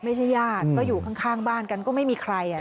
ญาติก็อยู่ข้างบ้านกันก็ไม่มีใคร